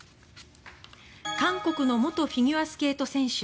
韓国の元フィギュアスケート選手